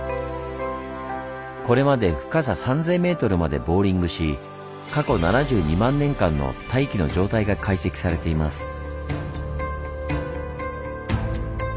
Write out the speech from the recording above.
これまで深さ３，０００ｍまでボーリングし過去７２万年間の大気の状態が解析されています。